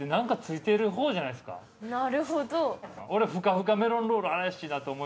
なるほど！